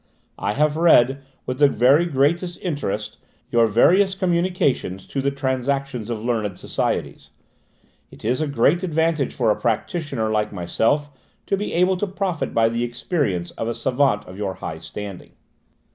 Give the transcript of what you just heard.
"I have read with the very greatest interest your various communications to the transactions of learned societies. It is a great advantage for a practitioner like myself to be able to profit by the experience of a savant of your high standing."